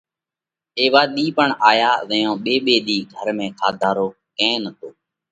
ايوا ۮِي پڻ آيا زئيون ٻي ٻي ۮِي گھر ۾ کاڌا رو ڪئين نتو،